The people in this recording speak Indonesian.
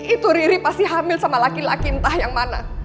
itu riri pasti hamil sama laki laki entah yang mana